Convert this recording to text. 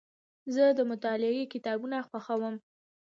زه د مطالعې کتابونه خوښوم.